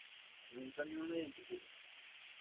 En un camión la identifica.